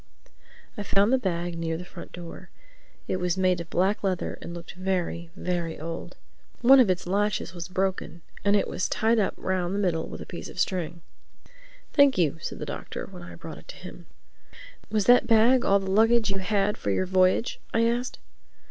I found the bag near the front door. It was made of black leather and looked very, very old. One of its latches was broken and it was tied up round the middle with a piece of string. "Thank you," said the Doctor when I brought it to him. "Was that bag all the luggage you had for your voyage?" I asked.